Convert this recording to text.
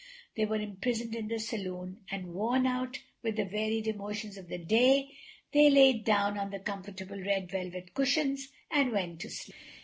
They were imprisoned in the saloon, and, worn out with the varied emotions of the day, they lay down on the comfortable red velvet cushions and went to sleep.